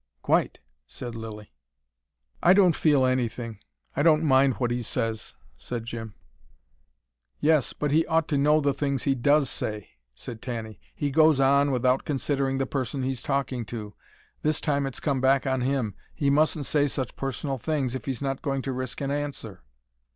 "Quite!" said Lilly. "I don't feel anything. I don't mind what he says," said Jim. "Yes, but he ought to know the things he DOES say," said Tanny. "He goes on, without considering the person he's talking to. This time it's come back on him. He mustn't say such personal things, if he's not going to risk an answer."